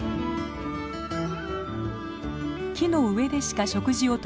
木の上でしか食事をとらない